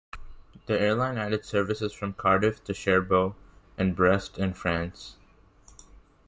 The airline added services from Cardiff to Cherbourg and Brest in France.